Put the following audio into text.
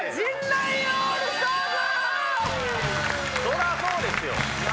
そらそうですよ！